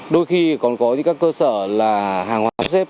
đôi khi còn có những các cơ sở là hàng hóa sắp xếp